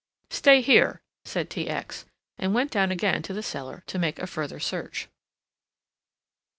"Stay here," said T. X., and went down again to the cellar to make a further search.